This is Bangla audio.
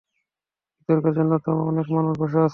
বিতর্কের জন্য তো অনেক মানুষ বসে আছে।